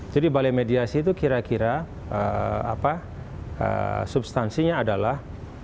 jadi balai mediasi itu kira kira substansinya adalah